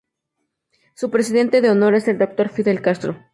Su Presidente de Honor es el Dr. Fidel Castro.